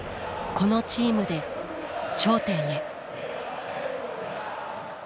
このチームで頂点へ。